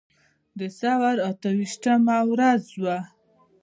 د ثور اته ویشتمه ورځ وه.